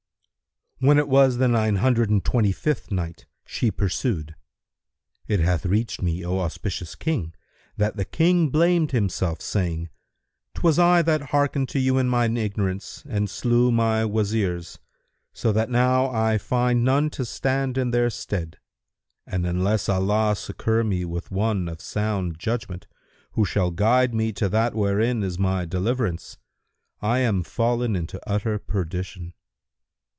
When it was the Nine Hundred and Twenty fifth Night, She pursued: It hath reached me, O auspicious King, that the King blamed himself saying, "'Twas I that hearkened to you in mine ignorance and slew my Wazirs so that now I find none to stand in their stead, and unless Allah succour me with one of sound judgment, who shall guide me to that wherein is my deliverance, I am fallen into utter perdition."